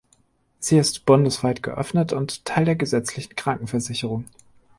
Sie ist bundesweit geöffnet und Teil der gesetzlichen Krankenversicherung.